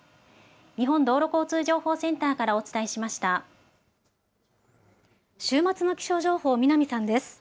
日本道路交通情報センターからお週末の気象情報、南さんです。